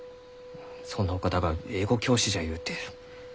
そんなお方が英語教師じゃゆうてのう。